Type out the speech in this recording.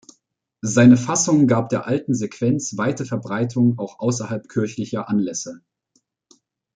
Seine Fassung gab der alten Sequenz weite Verbreitung auch außerhalb kirchlicher Anlässe.